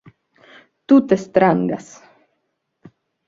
Tute strangas